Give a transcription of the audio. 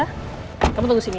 aku mau ke tempat yang lebih baik